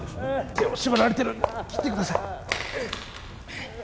手を縛られてるんで切ってください